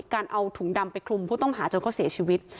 การเอาถุงดำไปคลุมผู้ต้องหาจนเขาเสียชีวิต